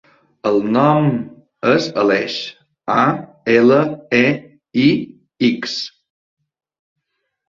El nom és Aleix: a, ela, e, i, ics.